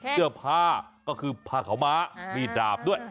เสื้อผ้าก็คือผ้าขาวม้ามีดดาบด้วย